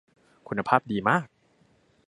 คุณภาพดีมาก